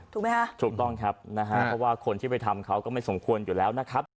ถูกไหมฮะถูกต้องครับนะฮะเพราะว่าคนที่ไปทำเขาก็ไม่สมควรอยู่แล้วนะครับ